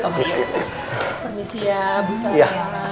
permisi ya bu sara